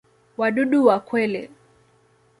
Wadudu wa kweli.